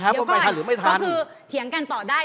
ถ้าบอกว่าคุณแหม่นสุริภาจะเสียใจ